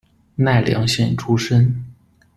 奈良县出身。